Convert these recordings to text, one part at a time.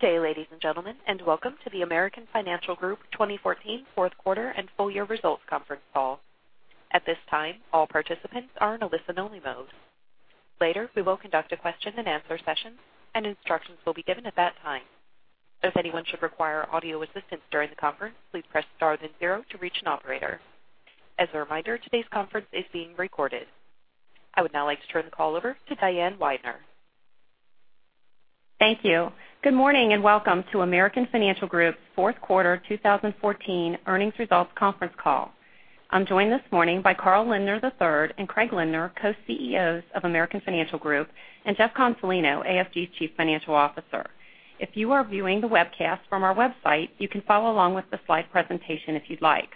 Good day, ladies and gentlemen, welcome to the American Financial Group 2014 fourth quarter and full year results conference call. At this time, all participants are in a listen only mode. Later, we will conduct a question and answer session, and instructions will be given at that time. If anyone should require audio assistance during the conference, please press star then zero to reach an operator. As a reminder, today's conference is being recorded. I would now like to turn the call over to Diane Weidner. Thank you. Good morning, welcome to American Financial Group's fourth quarter 2014 earnings results conference call. I am joined this morning by Carl Lindner III and Craig Lindner, Co-CEOs of American Financial Group, and Jeff Consolino, AFG's Chief Financial Officer. If you are viewing the webcast from our website, you can follow along with the slide presentation if you'd like.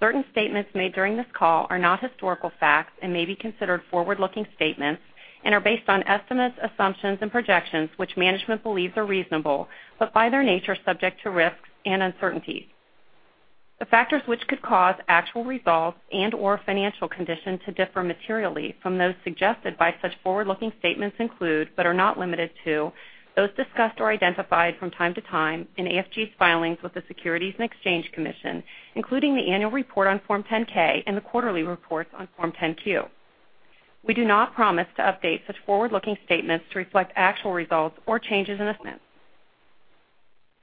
Certain statements made during this call are not historical facts and may be considered forward-looking statements and are based on estimates, assumptions and projections which management believes are reasonable, but by their nature, subject to risks and uncertainties. The factors which could cause actual results and/or financial conditions to differ materially from those suggested by such forward-looking statements include, but are not limited to, those discussed or identified from time to time in AFG's filings with the Securities and Exchange Commission, including the annual report on Form 10-K and the quarterly reports on Form 10-Q. We do not promise to update such forward-looking statements to reflect actual results or changes in assessments.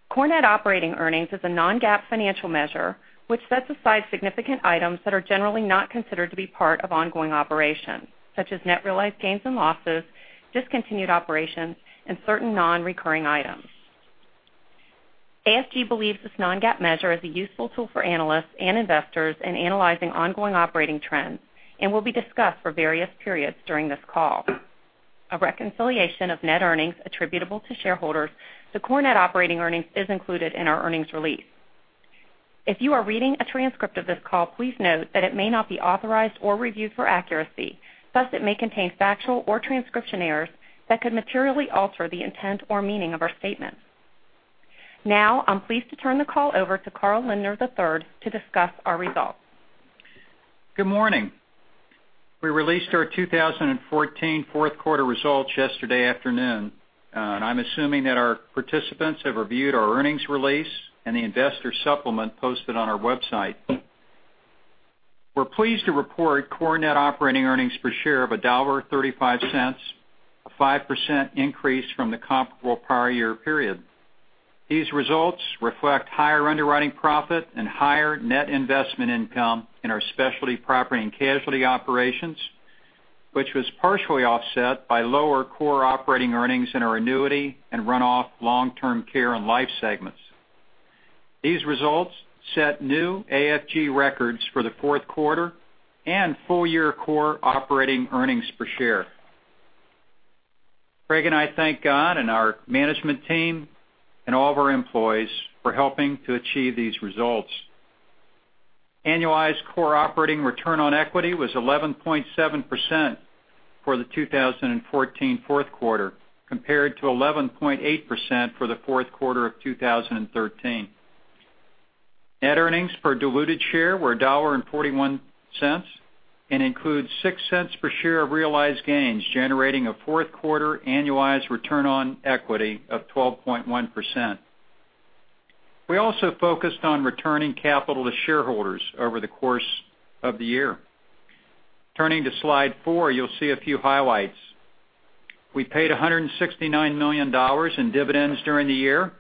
Core net operating earnings is a non-GAAP financial measure which sets aside significant items that are generally not considered to be part of ongoing operations, such as net realized gains and losses, discontinued operations, and certain non-recurring items. AFG believes this non-GAAP measure is a useful tool for analysts and investors in analyzing ongoing operating trends and will be discussed for various periods during this call. A reconciliation of net earnings attributable to shareholders to core net operating earnings is included in our earnings release. If you are reading a transcript of this call, please note that it may not be authorized or reviewed for accuracy, thus it may contain factual or transcription errors that could materially alter the intent or meaning of our statement. I am pleased to turn the call over to Carl Lindner III to discuss our results. Good morning. We released our 2014 fourth quarter results yesterday afternoon. I'm assuming that our participants have reviewed our earnings release and the investor supplement posted on our website. We're pleased to report core net operating earnings per share of $1.35, a 5% increase from the comparable prior year period. These results reflect higher underwriting profit and higher net investment income in our specialty property and casualty operations, which was partially offset by lower core operating earnings in our annuity and run-off long-term care and life segments. These results set new AFG records for the fourth quarter and full year core operating earnings per share. Craig and I thank God and our management team and all of our employees for helping to achieve these results. Annualized core operating return on equity was 11.7% for the 2014 fourth quarter, compared to 11.8% for the fourth quarter of 2013. Net earnings per diluted share were $1.41 and includes $0.06 per share of realized gains, generating a fourth quarter annualized return on equity of 12.1%. We also focused on returning capital to shareholders over the course of the year. Turning to slide four, you'll see a few highlights. We paid $169 million in dividends during the year,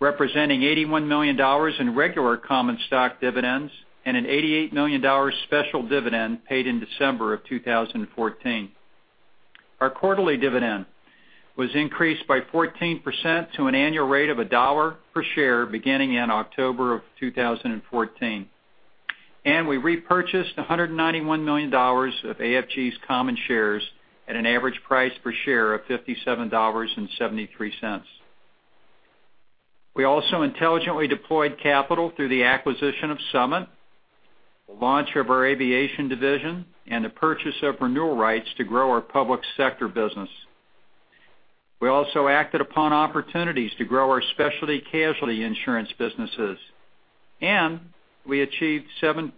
representing $81 million in regular common stock dividends and an $88 million special dividend paid in December of 2014. Our quarterly dividend was increased by 14% to an annual rate of $1 per share beginning in October of 2014. We repurchased $191 million of AFG's common shares at an average price per share of $57.73. We also intelligently deployed capital through the acquisition of Summit, the launch of our aviation division, and the purchase of renewal rights to grow our public sector business. We also acted upon opportunities to grow our specialty casualty insurance businesses. We achieved 17%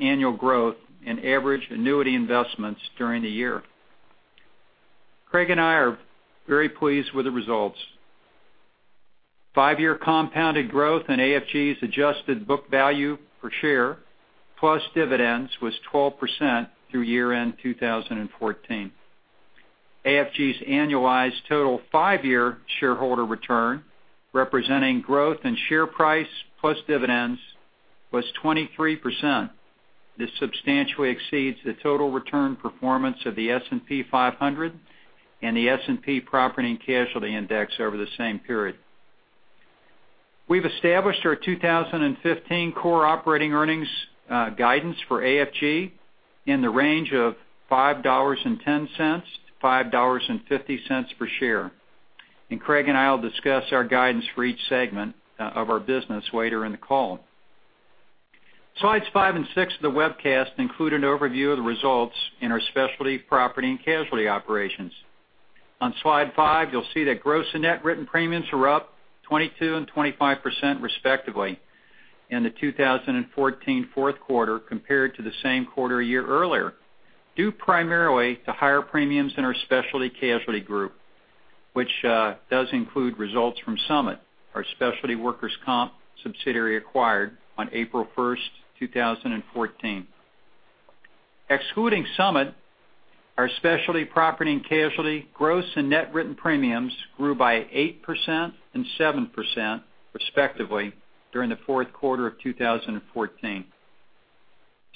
annual growth in average annuity investments during the year. Craig and I are very pleased with the results. Five-year compounded growth in AFG's adjusted book value per share plus dividends was 12% through year-end 2014. AFG's annualized total five-year shareholder return, representing growth in share price plus dividends, was 23%. This substantially exceeds the total return performance of the S&P 500 and the S&P Property and Casualty Index over the same period. We've established our 2015 core operating earnings guidance for AFG in the range of $5.10-$5.50 per share. Craig and I will discuss our guidance for each segment of our business later in the call. Slides five and six of the webcast include an overview of the results in our specialty property and casualty operations. On slide five, you'll see that gross and net written premiums are up 22% and 25% respectively in the 2014 fourth quarter compared to the same quarter a year earlier, due primarily to higher premiums in our Specialty Casualty Group, which does include results from Summit, our specialty workers' comp subsidiary acquired on April 1st, 2014. Excluding Summit, our Specialty Property and Casualty gross and net written premiums grew by 8% and 7%, respectively, during the fourth quarter of 2014.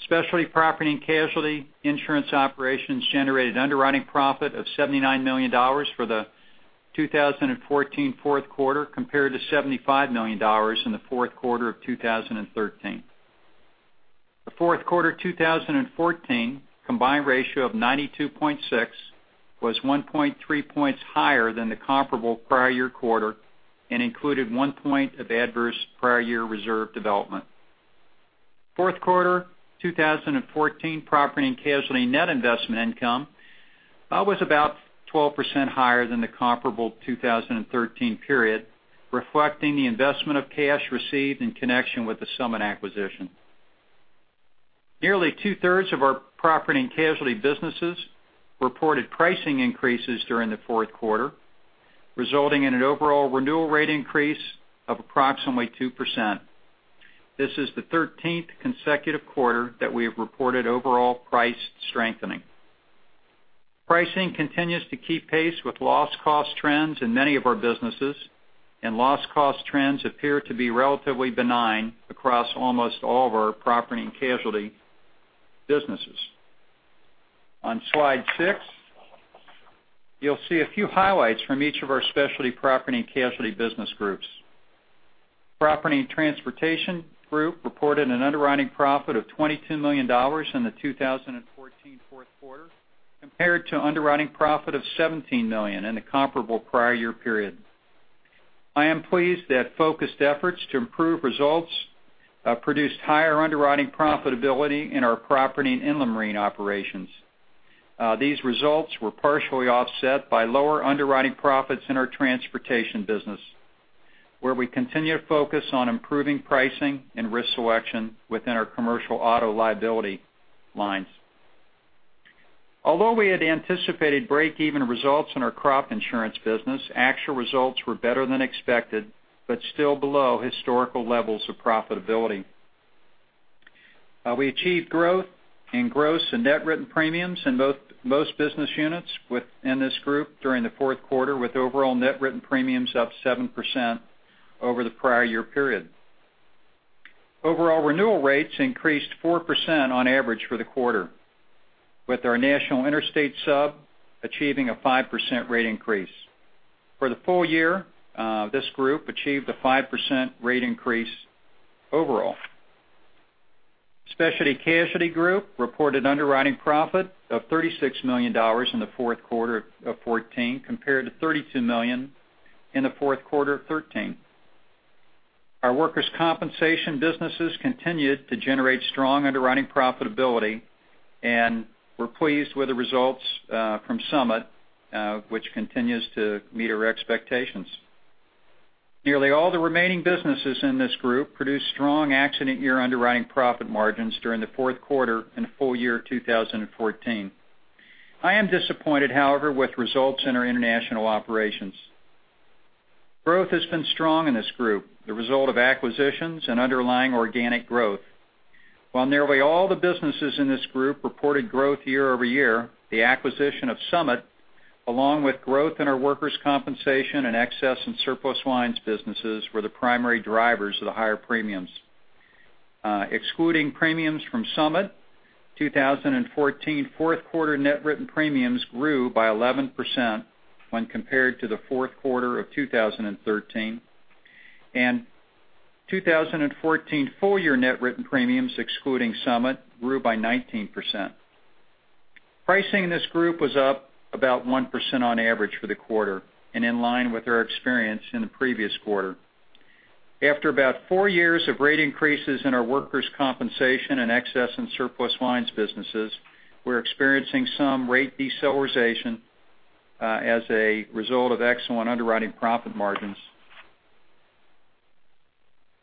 Specialty Property and Casualty insurance operations generated underwriting profit of $79 million for the 2014 fourth quarter, compared to $75 million in the fourth quarter of 2013. The fourth quarter 2014 combined ratio of 92.6 was 1.3 points higher than the comparable prior year quarter and included one point of adverse prior year reserve development. Fourth quarter 2014 Property and Casualty net investment income was about 12% higher than the comparable 2013 period, reflecting the investment of cash received in connection with the Summit acquisition. Nearly two-thirds of our Property and Casualty businesses reported pricing increases during the fourth quarter, resulting in an overall renewal rate increase of approximately 2%. This is the 13th consecutive quarter that we have reported overall price strengthening. Pricing continues to keep pace with loss cost trends in many of our businesses, and loss cost trends appear to be relatively benign across almost all of our Property and Casualty businesses. On slide six, you'll see a few highlights from each of our Specialty Property and Casualty business groups. Property and Transportation Group reported an underwriting profit of $22 million in the 2014 fourth quarter, compared to underwriting profit of $17 million in the comparable prior year period. I am pleased that focused efforts to improve results produced higher underwriting profitability in our property and inland marine operations. These results were partially offset by lower underwriting profits in our transportation business, where we continue to focus on improving pricing and risk selection within our commercial auto liability lines. Although we had anticipated break-even results in our crop insurance business, actual results were better than expected, but still below historical levels of profitability. We achieved growth in gross and net written premiums in most business units within this group during the fourth quarter, with overall net written premiums up 7% over the prior year period. Overall renewal rates increased 4% on average for the quarter, with our National Interstate sub achieving a 5% rate increase. For the full year, this group achieved a 5% rate increase overall. Specialty Casualty Group reported underwriting profit of $36 million in the fourth quarter of 2014, compared to $32 million in the fourth quarter of 2013. Our workers' compensation businesses continued to generate strong underwriting profitability, and we're pleased with the results from Summit, which continues to meet our expectations. Nearly all the remaining businesses in this group produced strong accident year underwriting profit margins during the fourth quarter and full year 2014. I am disappointed, however, with results in our international operations. Growth has been strong in this group, the result of acquisitions and underlying organic growth. While nearly all the businesses in this group reported growth year-over-year, the acquisition of Summit, along with growth in our workers' compensation and excess and surplus lines businesses, were the primary drivers of the higher premiums. Excluding premiums from Summit, 2014 fourth quarter net written premiums grew by 11% when compared to the fourth quarter of 2013, and 2014 full year net written premiums, excluding Summit, grew by 19%. Pricing in this group was up about 1% on average for the quarter and in line with our experience in the previous quarter. After about four years of rate increases in our workers' compensation and excess and surplus lines businesses, we're experiencing some rate deceleration as a result of excellent underwriting profit margins.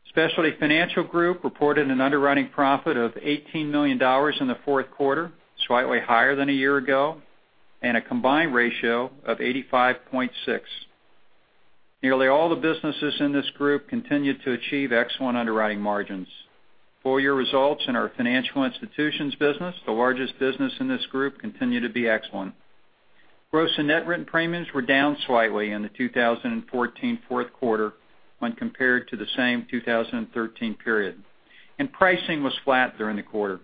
Specialty Financial Group reported an underwriting profit of $18 million in the fourth quarter, slightly higher than a year ago, and a combined ratio of 85.6. Nearly all the businesses in this group continued to achieve excellent underwriting margins. Full year results in our financial institutions business, the largest business in this group, continue to be excellent. Gross and net written premiums were down slightly in the 2014 fourth quarter when compared to the same 2013 period. Pricing was flat during the quarter.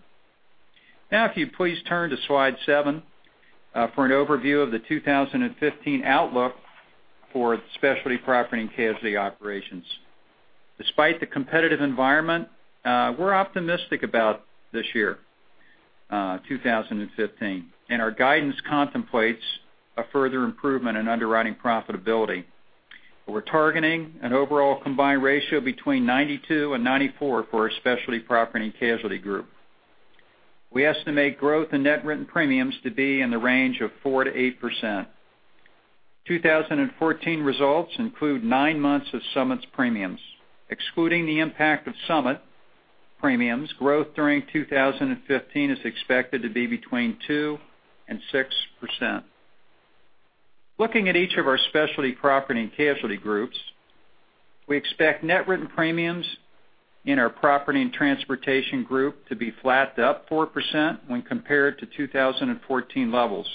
If you'd please turn to slide seven for an overview of the 2015 outlook for the Specialty Property and Casualty operations. Despite the competitive environment, we're optimistic about this year, 2015, and our guidance contemplates a further improvement in underwriting profitability. We're targeting an overall combined ratio between 92% and 94% for our Specialty Property and Casualty Group. We estimate growth in net written premiums to be in the range of 4%-8%. 2014 results include nine months of Summit's premiums. Excluding the impact of Summit premiums, growth during 2015 is expected to be between 2%-6%. Looking at each of our Specialty Property and Casualty groups, we expect net written premiums in our Property and Transportation Group to be flat to up 4% when compared to 2014 levels.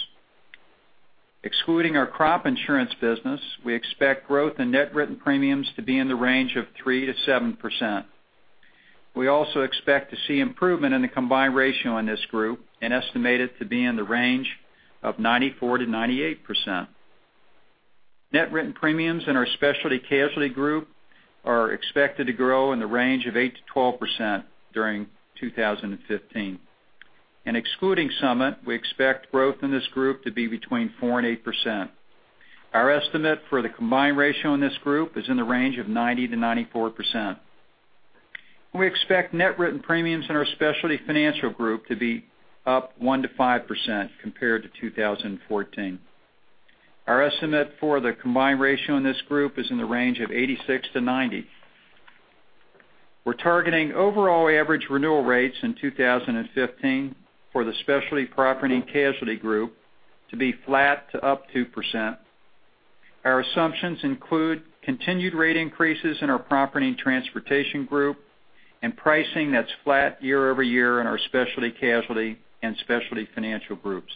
Excluding our crop insurance business, we expect growth in net written premiums to be in the range of 3%-7%. We also expect to see improvement in the combined ratio in this group and estimate it to be in the range of 94%-98%. Net written premiums in our Specialty Casualty Group are expected to grow in the range of 8%-12% during 2015. Excluding Summit, we expect growth in this group to be between 4%-8%. Our estimate for the combined ratio in this group is in the range of 90%-94%. We expect net written premiums in our Specialty Financial Group to be up 1%-5% compared to 2014. Our estimate for the combined ratio in this group is in the range of 86%-90%. We're targeting overall average renewal rates in 2015 for the Specialty Property and Casualty Group to be flat to up 2%. Our assumptions include continued rate increases in our Property and Transportation Group. Pricing that's flat year-over-year in our Specialty Casualty and Specialty Financial Groups.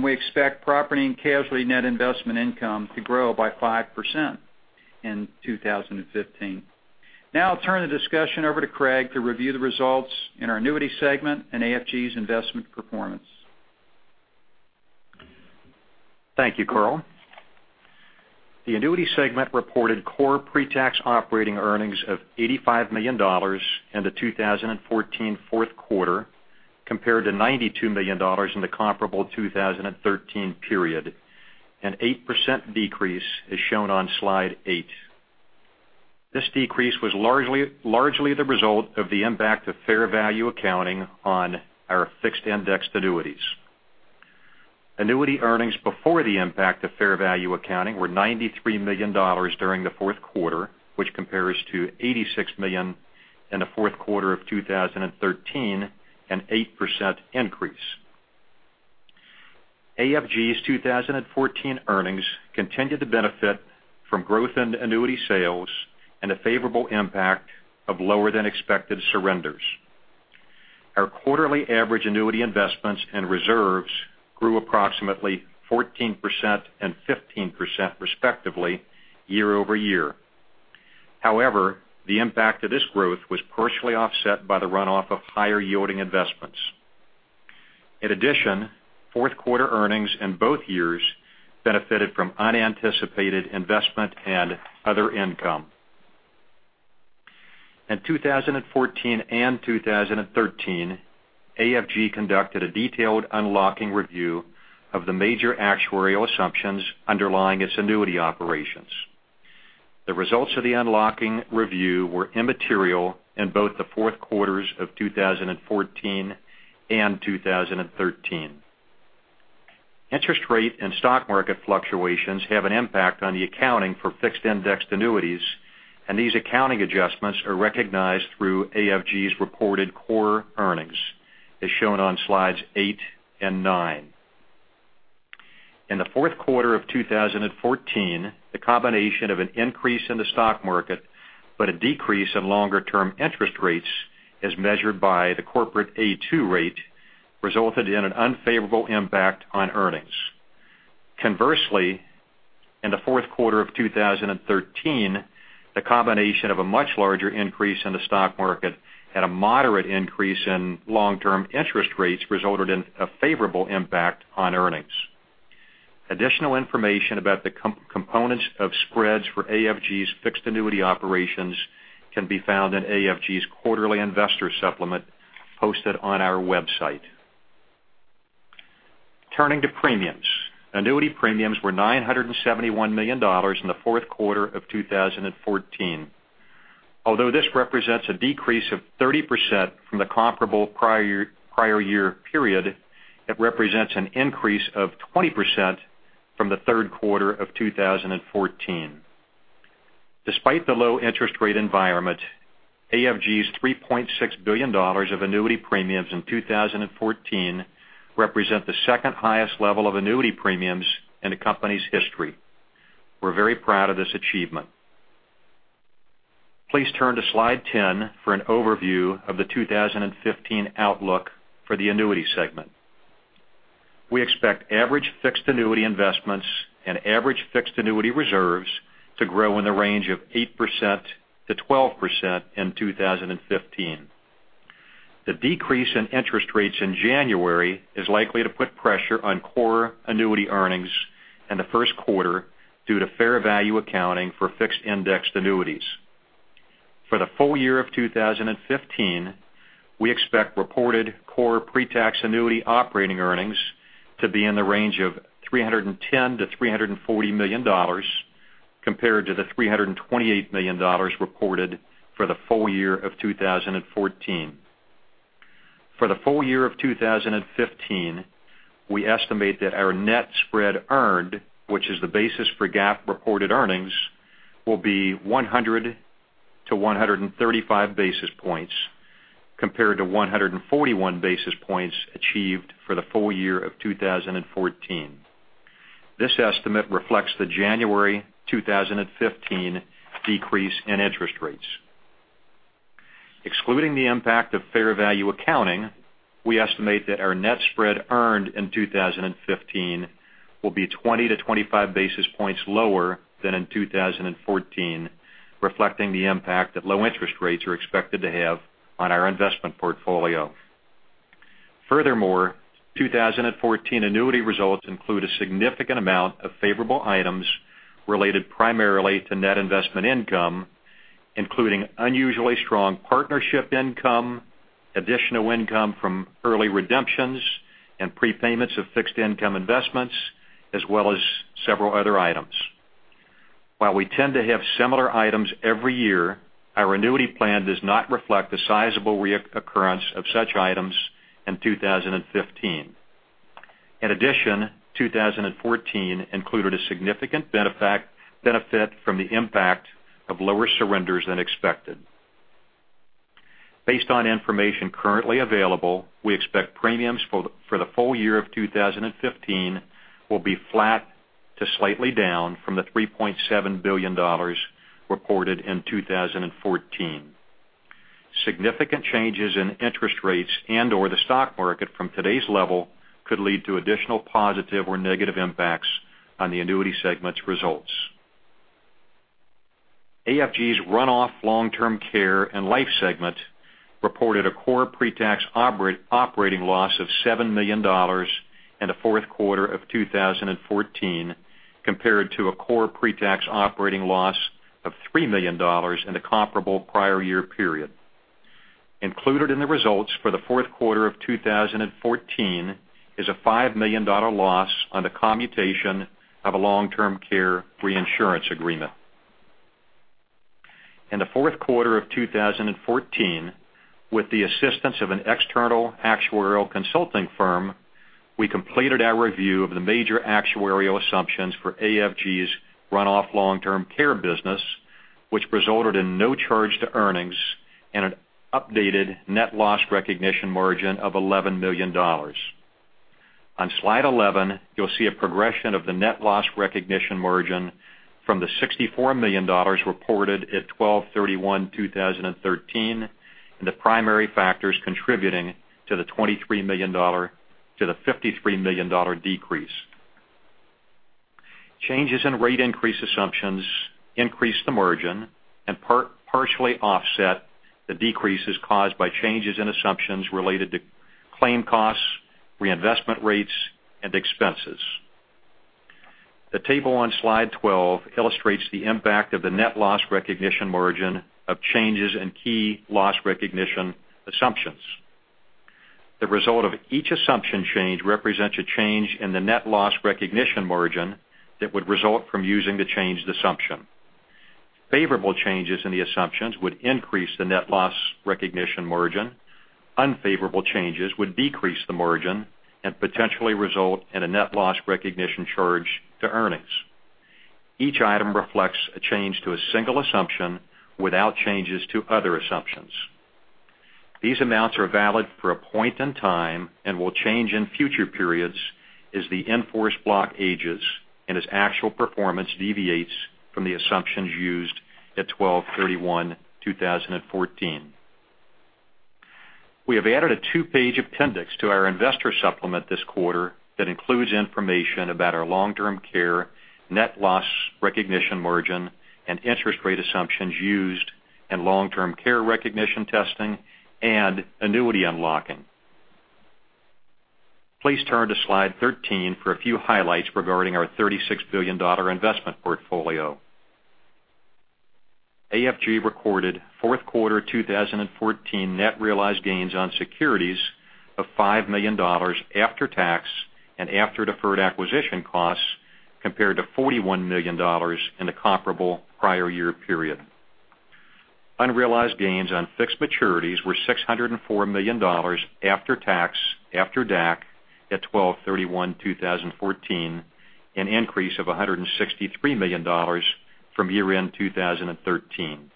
We expect property and casualty net investment income to grow by 5% in 2015. Now I'll turn the discussion over to Craig to review the results in our Annuity segment and AFG's investment performance. Thank you, Carl. The Annuity segment reported core pre-tax operating earnings of $85 million in the 2014 fourth quarter, compared to $92 million in the comparable 2013 period. An 8% decrease is shown on slide eight. This decrease was largely the result of the impact of fair value accounting on our fixed-indexed annuities. Annuity earnings before the impact of fair value accounting were $93 million during the fourth quarter, which compares to $86 million in the fourth quarter of 2013, an 8% increase. AFG's 2014 earnings continued to benefit from growth in the annuity sales and a favorable impact of lower than expected surrenders. Our quarterly average annuity investments and reserves grew approximately 14% and 15% respectively year-over-year. The impact of this growth was partially offset by the runoff of higher yielding investments. In addition, fourth quarter earnings in both years benefited from unanticipated investment and other income. In 2014 and 2013, AFG conducted a detailed unlocking review of the major actuarial assumptions underlying its annuity operations. The results of the unlocking review were immaterial in both the fourth quarters of 2014 and 2013. Interest rate and stock market fluctuations have an impact on the accounting for fixed-indexed annuities, and these accounting adjustments are recognized through AFG's reported core earnings, as shown on slides eight and nine. In the fourth quarter of 2014, the combination of an increase in the stock market, but a decrease in longer term interest rates, as measured by the corporate A2 rate, resulted in an unfavorable impact on earnings. Conversely, in the fourth quarter of 2013, the combination of a much larger increase in the stock market and a moderate increase in long-term interest rates resulted in a favorable impact on earnings. Additional information about the components of spreads for AFG's fixed annuity operations can be found in AFG's quarterly investor supplement posted on our website. Turning to premiums. Annuity premiums were $971 million in the fourth quarter of 2014. Although this represents a decrease of 30% from the comparable prior year period, it represents an increase of 20% from the third quarter of 2014. Despite the low interest rate environment, AFG's $3.6 billion of annuity premiums in 2014 represent the second highest level of annuity premiums in the company's history. We're very proud of this achievement. Please turn to slide 10 for an overview of the 2015 outlook for the Annuity segment. We expect average fixed annuity investments and average fixed annuity reserves to grow in the range of 8%-12% in 2015. The decrease in interest rates in January is likely to put pressure on core annuity earnings in the first quarter due to fair value accounting for fixed-indexed annuities. For the full year of 2015, we expect reported core pre-tax annuity operating earnings to be in the range of $310 million-$340 million, compared to the $328 million reported for the full year of 2014. For the full year of 2015, we estimate that our net spread earned, which is the basis for GAAP reported earnings, will be 100-135 basis points, compared to 141 basis points achieved for the full year of 2014. This estimate reflects the January 2015 decrease in interest rates. Excluding the impact of fair value accounting, we estimate that our net spread earned in 2015 will be 20-25 basis points lower than in 2014, reflecting the impact that low interest rates are expected to have on our investment portfolio. Furthermore, 2014 annuity results include a significant amount of favorable items related primarily to net investment income, including unusually strong partnership income, additional income from early redemptions and prepayments of fixed income investments, as well as several other items. While we tend to have similar items every year, our annuity plan does not reflect the sizable reoccurrence of such items in 2015. In addition, 2014 included a significant benefit from the impact of lower surrenders than expected. Based on information currently available, we expect premiums for the full year of 2015 will be flat to slightly down from the $3.7 billion reported in 2014. Significant changes in interest rates and/or the stock market from today's level could lead to additional positive or negative impacts on the annuity segment's results. AFG's run-off long-term care and life segment reported a core pre-tax operating loss of $7 million in the fourth quarter of 2014, compared to a core pre-tax operating loss of $3 million in the comparable prior year period. Included in the results for the fourth quarter of 2014 is a $5 million loss on the commutation of a long-term care reinsurance agreement. In the fourth quarter of 2014, with the assistance of an external actuarial consulting firm, we completed our review of the major actuarial assumptions for AFG's run-off long-term care business, which resulted in no charge to earnings and an updated net loss recognition margin of $11 million. On slide 11, you'll see a progression of the net loss recognition margin from the $64 million reported at 12/31/2013, and the primary factors contributing to the $53 million decrease. Changes in rate increase assumptions increased the margin and partially offset the decreases caused by changes in assumptions related to claim costs, reinvestment rates, and expenses. The table on slide 12 illustrates the impact of the net loss recognition margin of changes in key loss recognition assumptions. The result of each assumption change represents a change in the net loss recognition margin that would result from using the changed assumption. Favorable changes in the assumptions would increase the net loss recognition margin. Unfavorable changes would decrease the margin and potentially result in a net loss recognition charge to earnings. Each item reflects a change to a single assumption without changes to other assumptions. These amounts are valid for a point in time and will change in future periods as the in-force block ages and as actual performance deviates from the assumptions used at 12/31/2014. We have added a two-page appendix to our investor supplement this quarter that includes information about our long-term care net loss recognition margin and interest rate assumptions used in long-term care recognition testing and annuity unlocking. Please turn to slide 13 for a few highlights regarding our $36 billion investment portfolio. AFG recorded fourth quarter 2014 net realized gains on securities of $5 million after tax and after deferred acquisition costs, compared to $41 million in the comparable prior year period. Unrealized gains on fixed maturities were $604 million after tax, after DAC, at 12/31/2014, an increase of $163 million from year-end 2013.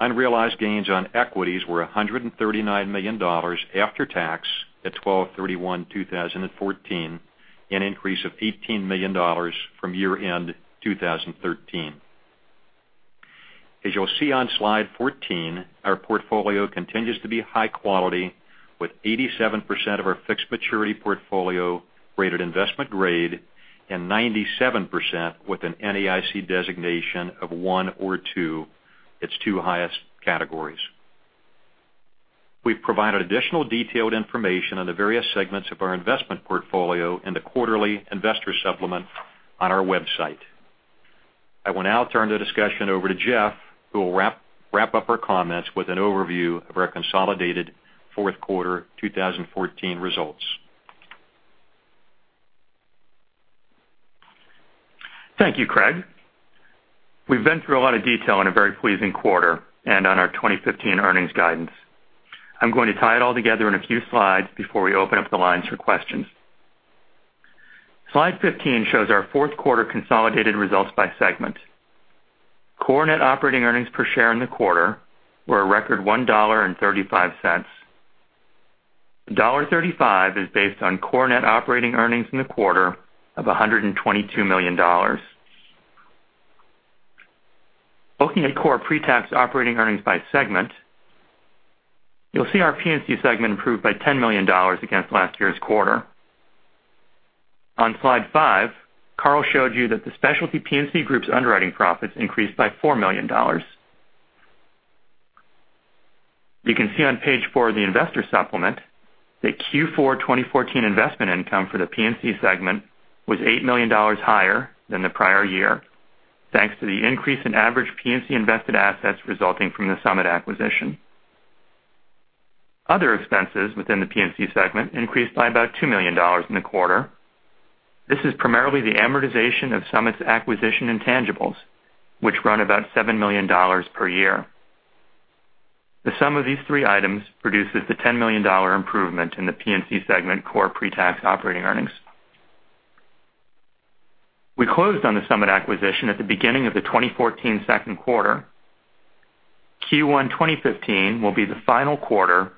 Unrealized gains on equities were $139 million after tax at 12/31/2014, an increase of $18 million from year-end 2013. As you'll see on slide 14, our portfolio continues to be high quality with 87% of our fixed maturity portfolio rated investment grade and 97% with an NAIC designation of 1 or 2, its two highest categories. We've provided additional detailed information on the various segments of our investment portfolio in the quarterly investor supplement on our website. I will now turn the discussion over to Jeff, who will wrap up our comments with an overview of our consolidated fourth quarter 2014 results. Thank you, Craig. We've been through a lot of detail in a very pleasing quarter and on our 2015 earnings guidance. I'm going to tie it all together in a few slides before we open up the lines for questions. Slide 15 shows our fourth quarter consolidated results by segment. Core net operating earnings per share in the quarter were a record $1.35. $1.35 is based on core net operating earnings in the quarter of $122 million. Looking at core pre-tax operating earnings by segment, you'll see our P&C segment improved by $10 million against last year's quarter. On slide five, Carl showed you that the Specialty P&C Group's underwriting profits increased by $4 million. You can see on page four of the investor supplement that Q4 2014 investment income for the P&C segment was $8 million higher than the prior year, thanks to the increase in average P&C invested assets resulting from the Summit acquisition. Other expenses within the P&C segment increased by about $2 million in the quarter. This is primarily the amortization of Summit's acquisition intangibles, which run about $7 million per year. The sum of these three items produces the $10 million improvement in the P&C segment core pre-tax operating earnings. We closed on the Summit acquisition at the beginning of the 2014 second quarter. Q1 2015 will be the final quarter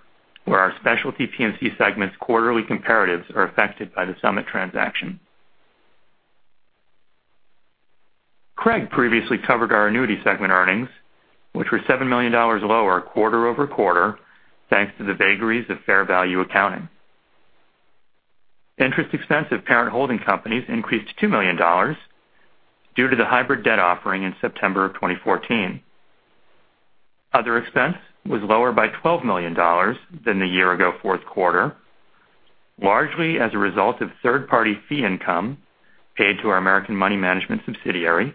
where our Specialty P&C segment's quarterly comparatives are affected by the Summit transaction. Craig previously covered our annuity segment earnings, which were $7 million lower quarter-over-quarter, thanks to the vagaries of fair value accounting. Interest expense of parent holding companies increased $2 million due to the hybrid debt offering in September of 2014. Other expense was lower by $12 million than the year ago fourth quarter, largely as a result of third-party fee income paid to our American Money Management Corporation subsidiary,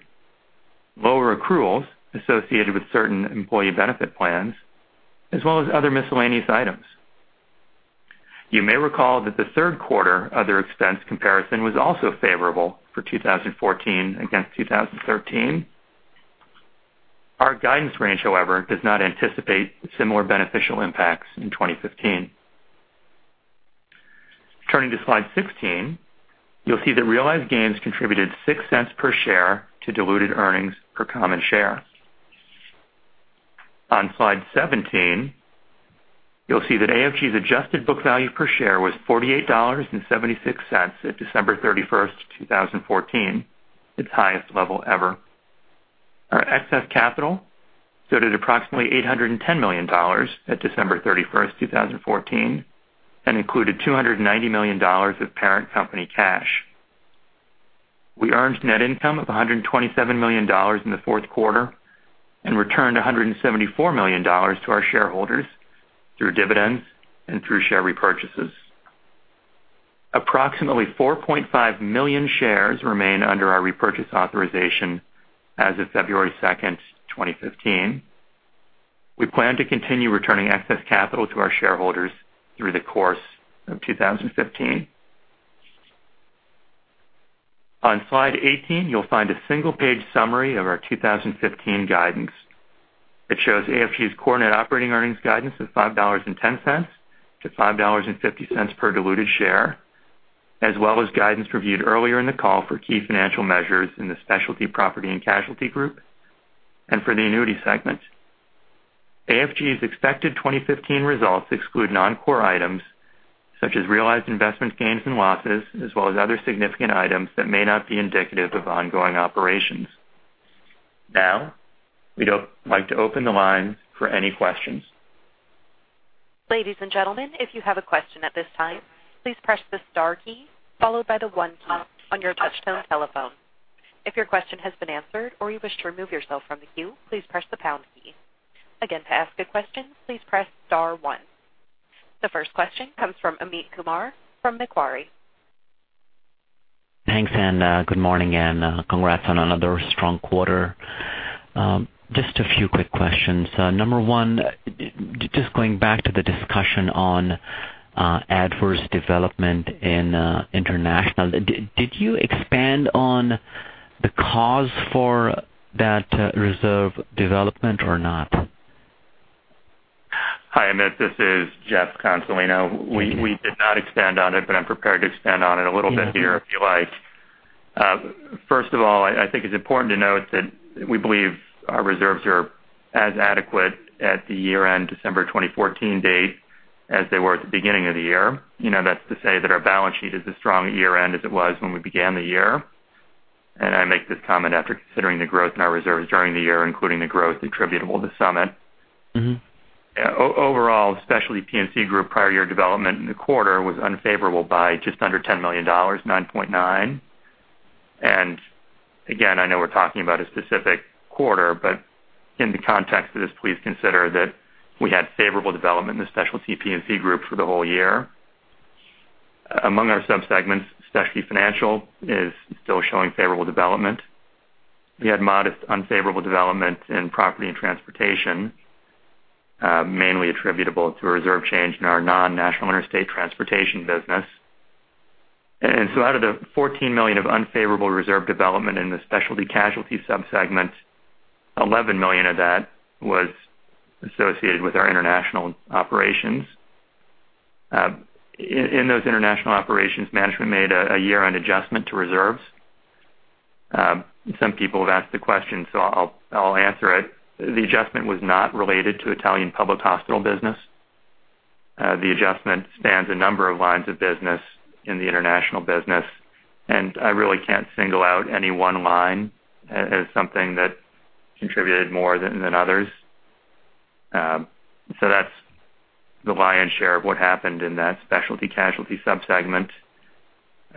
lower accruals associated with certain employee benefit plans, as well as other miscellaneous items. You may recall that the third quarter other expense comparison was also favorable for 2014 against 2013. Our guidance range, however, does not anticipate similar beneficial impacts in 2015. Turning to slide 16, you'll see that realized gains contributed $0.06 per share to diluted earnings per common share. On slide 17, you'll see that AFG's adjusted book value per share was $48.76 at December 31st, 2014, its highest level ever. Our excess capital stood at approximately $810 million at December 31st, 2014, and included $290 million of parent company cash. We earned net income of $127 million in the fourth quarter and returned $174 million to our shareholders through dividends and through share repurchases. Approximately 4.5 million shares remain under our repurchase authorization as of February 2nd, 2015. We plan to continue returning excess capital to our shareholders through the course of 2015. On slide 18, you'll find a single-page summary of our 2015 guidance. It shows AFG's core net operating earnings guidance of $5.10-$5.50 per diluted share, as well as guidance reviewed earlier in the call for key financial measures in the Specialty Property and Casualty Group and for the annuity segment. AFG's expected 2015 results exclude non-core items such as realized investment gains and losses, as well as other significant items that may not be indicative of ongoing operations. We'd like to open the lines for any questions. Ladies and gentlemen, if you have a question at this time, please press the star key, followed by the one key on your touch-tone telephone. If your question has been answered or you wish to remove yourself from the queue, please press the pound key. To ask a question, please press star one. The first question comes from Amit Kumar from Macquarie. Thanks, good morning, congrats on another strong quarter. Just a few quick questions. Number one, just going back to the discussion on adverse development in international. Did you expand on the cause for that reserve development or not? Hi, Amit. This is Jeff Consolino. We did not expand on it, I'm prepared to expand on it a little bit here, if you like. First of all, I think it's important to note that we believe our reserves are as adequate at the year-end December 2014 date as they were at the beginning of the year. That's to say that our balance sheet is as strong at year-end as it was when we began the year. I make this comment after considering the growth in our reserves during the year, including the growth attributable to Summit. Overall, Specialty P&C Group prior year development in the quarter was unfavorable by just under $10 million, $9.9 million. Again, I know we're talking about a specific quarter, but in the context of this, please consider that we had favorable development in the Specialty P&C Group for the whole year. Among our subsegments, Specialty Financial is still showing favorable development. We had modest unfavorable development in Property and Transportation, mainly attributable to a reserve change in our non-National Interstate transportation business. So out of the $14 million of unfavorable reserve development in the Specialty Casualty sub-segment, $11 million of that was associated with our international operations. In those international operations, management made a year-end adjustment to reserves. Some people have asked the question, so I'll answer it. The adjustment was not related to Italian public hospital business. The adjustment spans a number of lines of business in the international business, and I really can't single out any one line as something that contributed more than others. That's the lion's share of what happened in that Specialty Casualty sub-segment.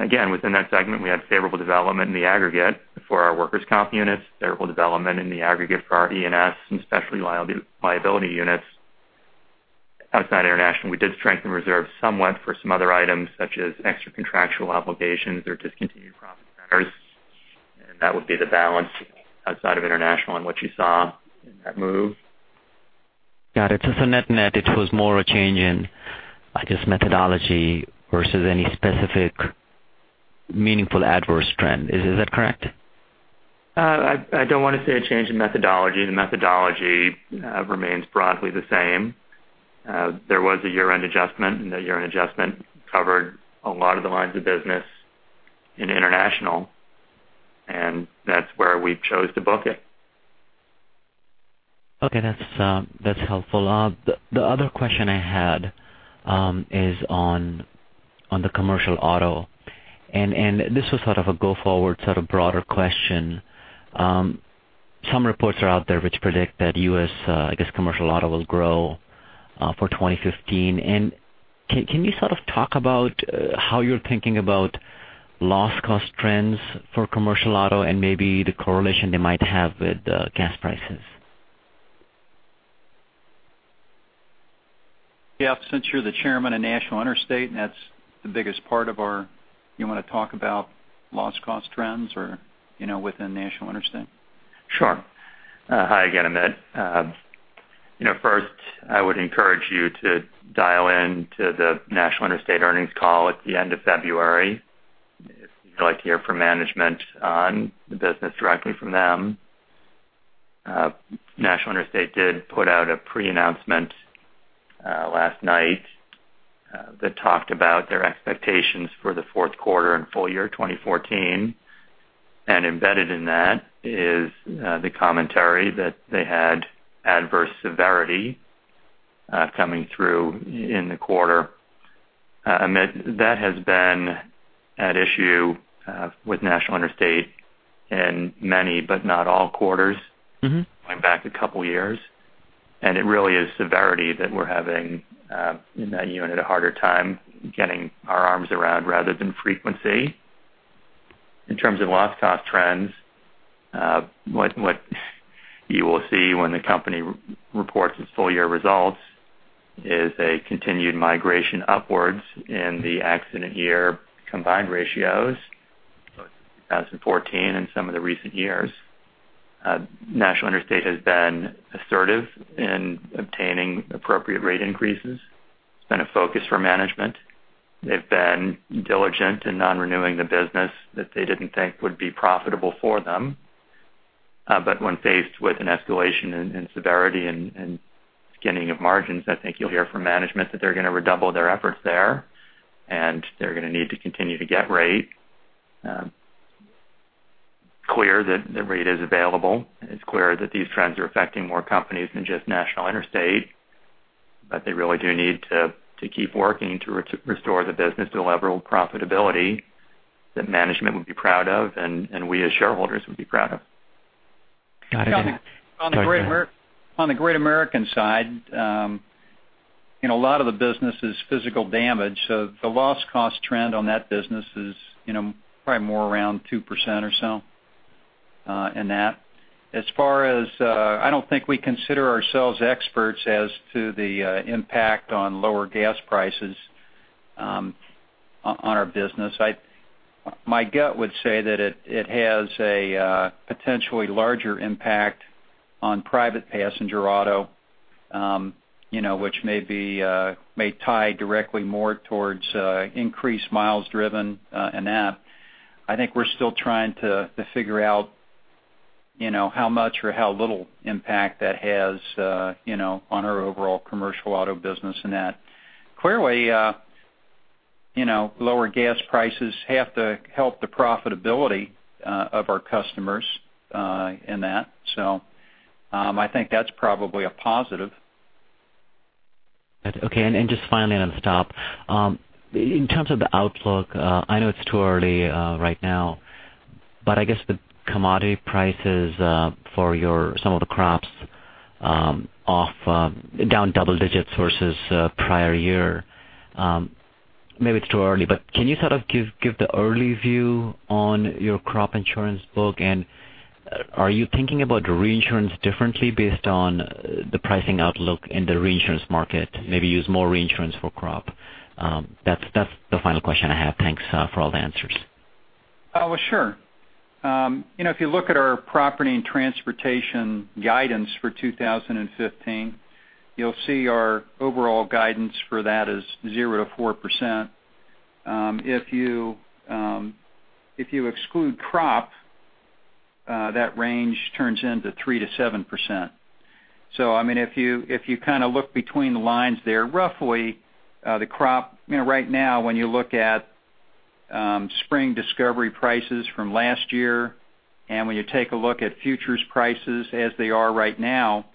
Again, within that segment, we had favorable development in the aggregate for our workers' comp units, favorable development in the aggregate for our E&S, and specialty liability units. Outside international, we did strengthen reserves somewhat for some other items, such as extra contractual obligations or discontinued profit centers, and that would be the balance outside of international and what you saw in that move. Got it. Net-net, it was more a change in, I guess, methodology versus any specific meaningful adverse trend. Is that correct? I don't want to say a change in methodology. The methodology remains broadly the same. There was a year-end adjustment, and that year-end adjustment covered a lot of the lines of business in international, and that's where we chose to book it. Okay. That's helpful. The other question I had is on the commercial auto. This was sort of a go-forward, sort of broader question. Some reports are out there which predict that U.S. commercial auto will grow for 2015. Can you sort of talk about how you're thinking about loss cost trends for commercial auto and maybe the correlation they might have with gas prices? Yeah. Since you're the chairman of National Interstate, you want to talk about loss cost trends within National Interstate? Sure. Hi again, Amit. First, I would encourage you to dial in to the National Interstate earnings call at the end of February if you'd like to hear from management on the business directly from them. National Interstate did put out a pre-announcement last night that talked about their expectations for the fourth quarter and full year 2014. Embedded in that is the commentary that they had adverse severity coming through in the quarter. Amit, that has been at issue with National Interstate in many, but not all quarters. Going back a couple of years. It really is severity that we're having, in that unit, a harder time getting our arms around rather than frequency. In terms of loss cost trends, what you will see when the company reports its full-year results is a continued migration upwards in the accident year combined ratios, both 2014 and some of the recent years. National Interstate has been assertive in obtaining appropriate rate increases. It's been a focus for management. They've been diligent in non-renewing the business that they didn't think would be profitable for them. When faced with an escalation in severity and skimming of margins, I think you'll hear from management that they're going to redouble their efforts there, and they're going to need to continue to get rate. It's clear that the rate is available. It's clear that these trends are affecting more companies than just National Interstate, but they really do need to keep working to restore the business to a level of profitability that management would be proud of and we as shareholders would be proud of. Got it. On the Great American side, a lot of the business is physical damage. The loss cost trend on that business is probably more around 2% or so in that. I don't think we consider ourselves experts as to the impact on lower gas prices on our business. My gut would say that it has a potentially larger impact on private passenger auto which may tie directly more towards increased miles driven in that. I think we're still trying to figure out how much or how little impact that has on our overall commercial auto business in that. Clearly, lower gas prices have to help the profitability of our customers in that. I think that's probably a positive. Okay. Just finally, and I'll stop. In terms of the outlook, I know it's too early right now, but I guess the commodity prices for some of the crops down double digits versus prior year. Maybe it's too early, but can you sort of give the early view on your crop insurance book, and are you thinking about reinsurance differently based on the pricing outlook in the reinsurance market? Maybe use more reinsurance for crop. That's the final question I have. Thanks for all the answers. Sure. If you look at our Property and Transportation guidance for 2015, you'll see our overall guidance for that is 0%-4%. If you exclude crop, that range turns into 3%-7%. If you look between the lines there, roughly the crop right now, when you look at spring discovery prices from last year, and when you take a look at futures prices as they are right now,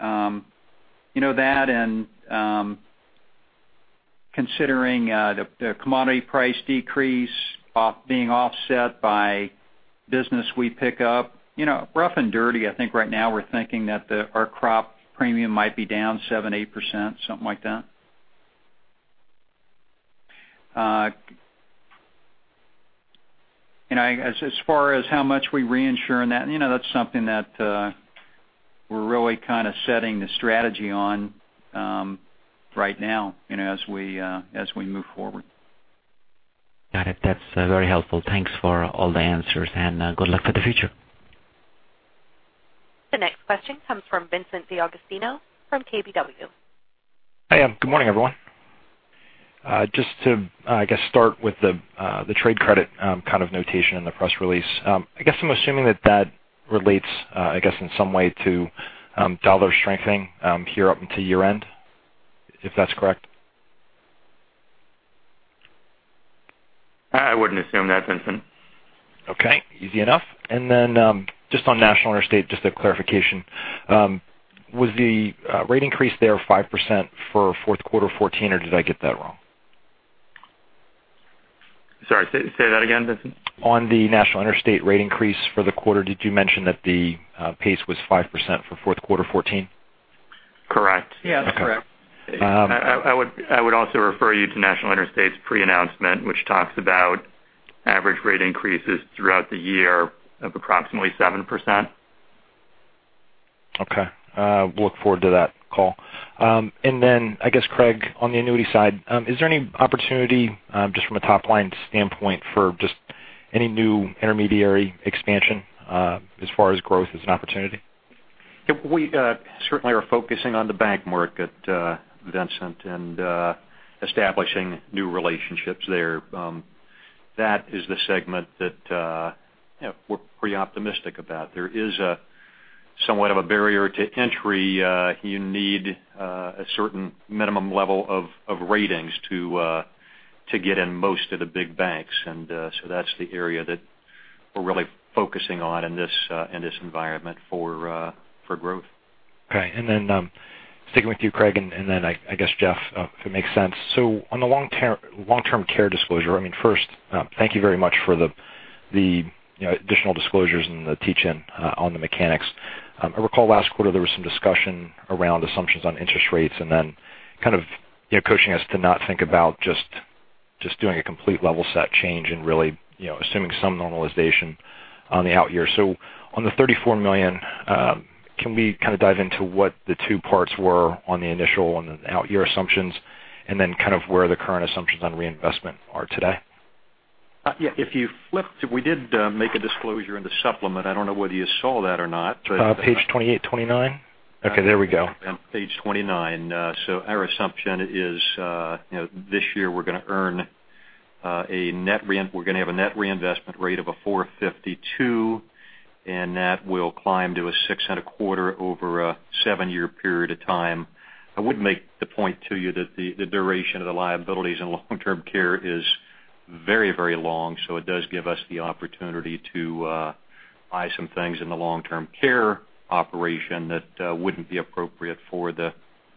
that and considering the commodity price decrease being offset by business we pick up, rough and dirty, I think right now we're thinking that our crop premium might be down 7%, 8%, something like that. As far as how much we reinsure in that's something that we're really kind of setting the strategy on right now as we move forward. Got it. That's very helpful. Thanks for all the answers and good luck for the future. The next question comes from Vincent D'Agostino from KBW. Hi, good morning, everyone. Just to start with the trade credit kind of notation in the press release. I'm assuming that relates in some way to U.S. dollar strengthening here up until year-end, if that's correct? I wouldn't assume that, Vincent. Just on National Interstate, just a clarification. Was the rate increase there 5% for fourth quarter 2014, or did I get that wrong? Sorry, say that again, Vincent. On the National Interstate rate increase for the quarter, did you mention that the pace was 5% for fourth quarter 2014? Correct. Yeah, that's correct. I would also refer you to National Interstate's pre-announcement, which talks about average rate increases throughout the year of approximately 7%. Okay. We'll look forward to that call. Craig, on the annuity side, is there any opportunity just from a top-line standpoint for just any new intermediary expansion as far as growth as an opportunity? We certainly are focusing on the bank market, Vincent, and establishing new relationships there. That is the segment that we're pretty optimistic about. There is somewhat of a barrier to entry. You need a certain minimum level of ratings to get in most of the big banks. That's the area that we're really focusing on in this environment for growth. Sticking with you, Craig, and then I guess Jeff, if it makes sense. On the long-term care disclosure, first, thank you very much for the additional disclosures and the teach-in on the mechanics. I recall last quarter there was some discussion around assumptions on interest rates, and then kind of coaching us to not think about just doing a complete level set change and really assuming some normalization on the out year. On the $34 million, can we kind of dive into what the two parts were on the initial and the out year assumptions, and then kind of where the current assumptions on reinvestment are today? If you flip to, we did make a disclosure in the supplement. I don't know whether you saw that or not. Page 28, 29? There we go. Page 29. Our assumption is this year we're going to have a net reinvestment rate of a 452, and that will climb to a six and a quarter over a seven-year period of time. I would make the point to you that the duration of the liabilities in long-term care is very long, so it does give us the opportunity to buy some things in the long-term care operation that wouldn't be appropriate for the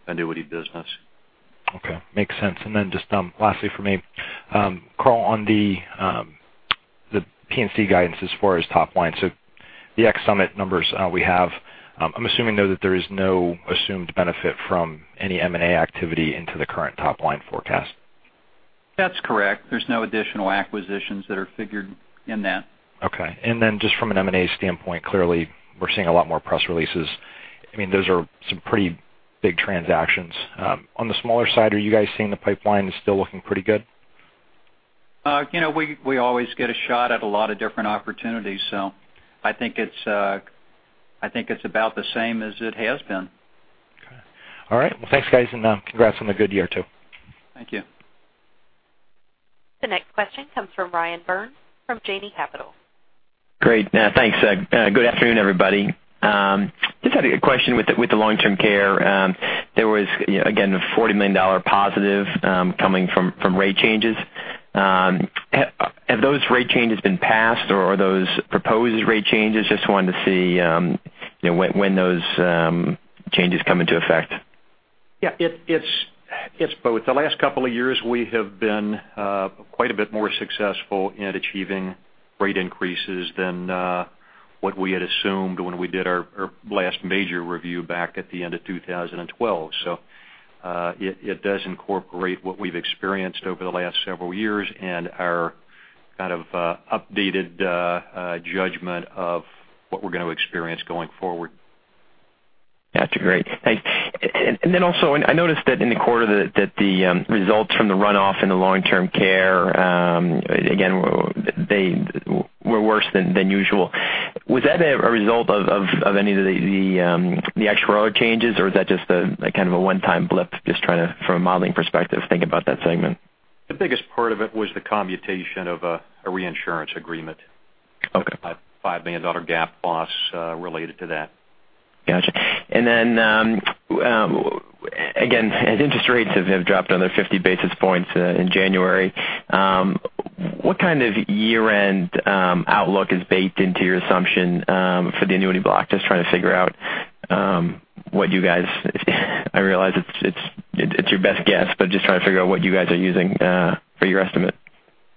annuity business. Okay. Makes sense. Just lastly for me, Carl, on the P&C guidance as far as top-line, the X Summit numbers we have, I'm assuming though that there is no assumed benefit from any M&A activity into the current top-line forecast. That's correct. There's no additional acquisitions that are figured in that. Okay, just from an M&A standpoint, clearly we're seeing a lot more press releases. Those are some pretty big transactions. On the smaller side, are you guys seeing the pipeline is still looking pretty good? We always get a shot at a lot of different opportunities, so I think it's about the same as it has been. Okay. All right. Well, thanks, guys, and congrats on the good year, too. Thank you. The next question comes from Ryan Byrns from Janney Capital. Great. Thanks. Good afternoon, everybody. Just had a question with the long-term care. There was, again, a $40 million positive coming from rate changes. Have those rate changes been passed or are those proposed rate changes? Just wanted to see when those changes come into effect. it's both. The last couple of years, we have been quite a bit more successful in achieving rate increases than what we had assumed when we did our last major review back at the end of 2012. It does incorporate what we've experienced over the last several years and our kind of updated judgment of what we're going to experience going forward. Gotcha. Great. Thanks. Also, I noticed that in the quarter that the results from the runoff in the long-term care, again, they were worse than usual. Was that a result of any of the actual changes, or is that just a kind of a one-time blip? Just trying to, from a modeling perspective, think about that segment. The biggest part of it was the commutation of a reinsurance agreement. Okay. A $5 million GAAP loss related to that. Gotcha. Again, as interest rates have dropped another 50 basis points in January, what kind of year-end outlook is baked into your assumption for the annuity block? Just trying to figure out what you guys, I realize it's your best guess, but just trying to figure out what you guys are using for your estimate.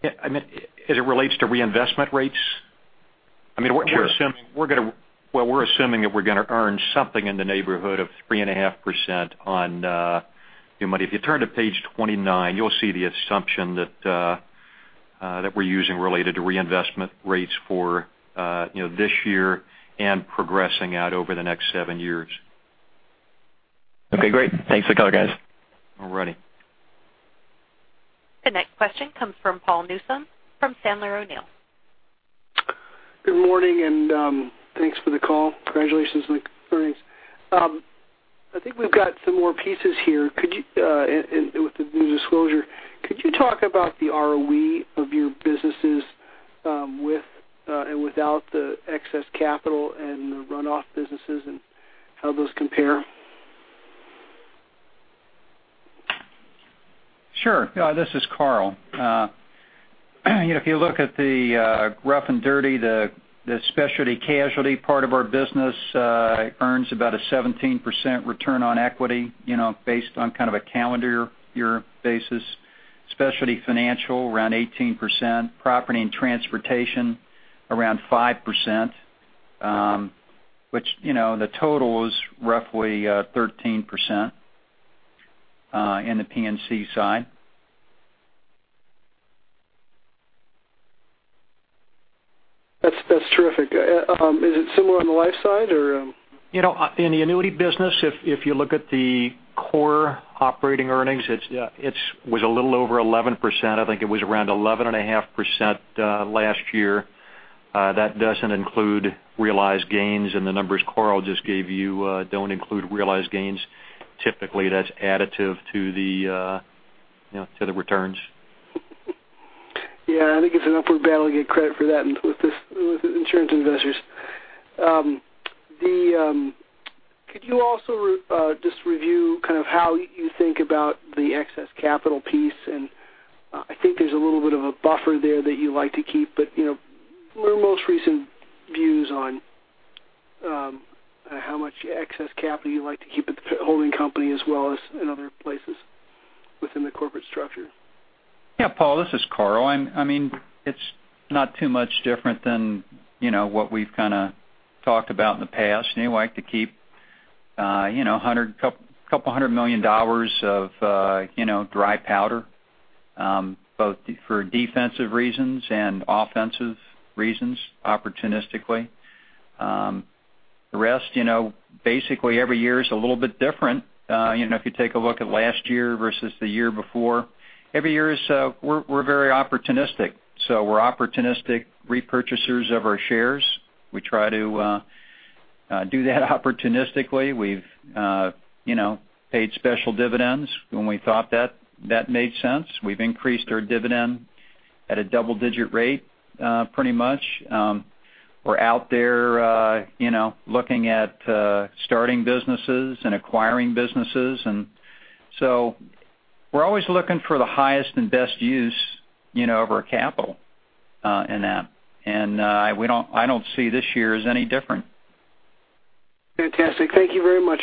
As it relates to reinvestment rates? We're assuming that we're going to earn something in the neighborhood of 3.5% on new money. If you turn to page 29, you'll see the assumption that we're using related to reinvestment rates for this year and progressing out over the next seven years. Great. Thanks a lot, guys. All righty. The next question comes from Paul Newsome from Sandler O'Neill. Good morning. Thanks for the call. Congratulations on the earnings. I think we've got some more pieces here. With the new disclosure, could you talk about the ROE of your businesses with and without the excess capital and the runoff businesses and how those compare? Sure. This is Carl. If you look at the rough and dirty, the Specialty Casualty Group part of our business earns about a 17% return on equity based on kind of a calendar year basis. Specialty Financial Group around 18%, Property and Transportation Group around 5%, which the total is roughly 13% in the P&C side. That's terrific. Is it similar on the life side or? In the annuity business, if you look at the core operating earnings, it was a little over 11%. I think it was around 11.5% last year. That doesn't include realized gains, and the numbers Carl just gave you don't include realized gains. Typically, that's additive to the returns. I think it's an upward battle to get credit for that with insurance investors. Could you also just review kind of how you think about the excess capital piece? I think there's a little bit of a buffer there that you like to keep, but your most recent views on how much excess capital you like to keep at the holding company as well as in other places within the corporate structure? Paul, this is Carl. It's not too much different than what we've kind of talked about in the past. We like to keep $200 million of dry powder both for defensive reasons and offensive reasons, opportunistically. The rest, basically every year is a little bit different. If you take a look at last year versus the year before, every year we're very opportunistic. We're opportunistic repurchasers of our shares. We try to do that opportunistically. We've paid special dividends when we thought that made sense. We've increased our dividend at a double-digit rate pretty much. We're out there looking at starting businesses and acquiring businesses, we're always looking for the highest and best use of our capital in that. I don't see this year as any different. Fantastic. Thank you very much.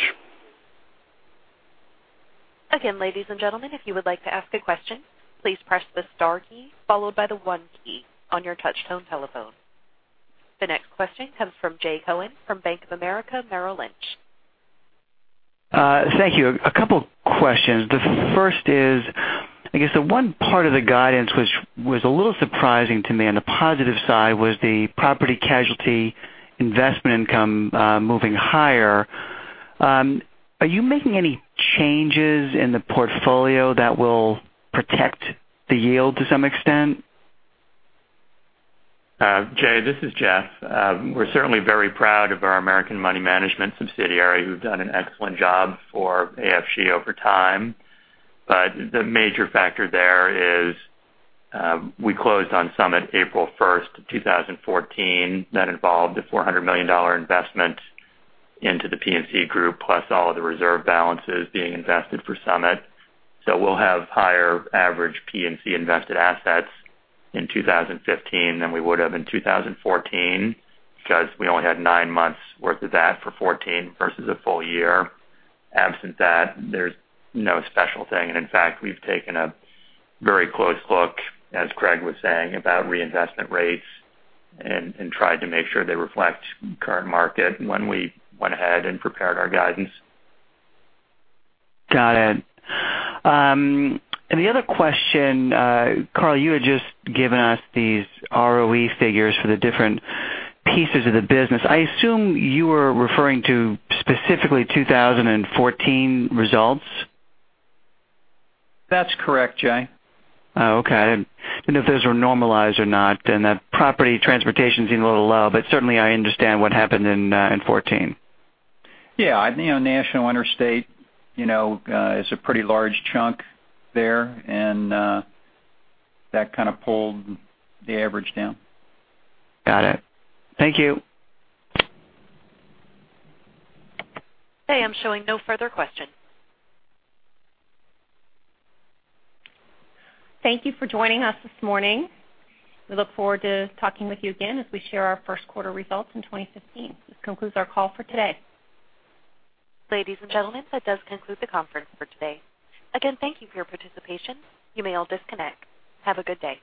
Again, ladies and gentlemen, if you would like to ask a question, please press the star key followed by the one key on your touch tone telephone. The next question comes from Jay Cohen from Bank of America Merrill Lynch. Thank you. A couple questions. The first is, I guess the one part of the guidance which was a little surprising to me on the positive side was the property casualty investment income moving higher. Are you making any changes in the portfolio that will protect the yield to some extent? Jay, this is Jeff. We're certainly very proud of our American Money Management subsidiary, who've done an excellent job for AFG over time. The major factor there is we closed on Summit April 1st, 2014. That involved a $400 million investment into the P&C group, plus all of the reserve balances being invested for Summit. We'll have higher average P&C invested assets in 2015 than we would have in 2014 because we only had nine months worth of that for 2014 versus a full year. Absent that, there's no special thing. In fact, we've taken a very close look, as Craig was saying, about reinvestment rates and tried to make sure they reflect current market when we went ahead and prepared our guidance. Got it. The other question, Carl, you had just given us these ROE figures for the different pieces of the business. I assume you were referring to specifically 2014 results? That's correct, Jay. Oh, okay. I didn't know if those were normalized or not, and that Property and Transportation seemed a little low, but certainly I understand what happened in 2014. Yeah. National Interstate is a pretty large chunk there, that kind of pulled the average down. Got it. Thank you. I am showing no further questions. Thank you for joining us this morning. We look forward to talking with you again as we share our first quarter results in 2015. This concludes our call for today. Ladies and gentlemen, that does conclude the conference for today. Again, thank you for your participation. You may all disconnect. Have a good day.